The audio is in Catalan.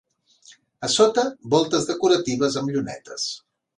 A sota, voltes decoratives amb llunetes.